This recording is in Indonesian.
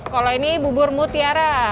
kalau ini bubur mutiara